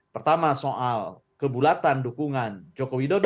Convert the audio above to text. pertama soal kebulatan dukungan joko widodo